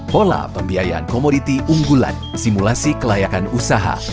pola pembiayaan komoditi unggulan simulasi kelayakan usaha